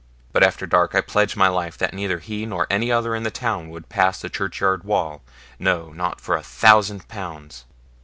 But after dark I pledge my life that neither he nor any other in the town would pass the churchyard wall, no, not for a thousand pounds.'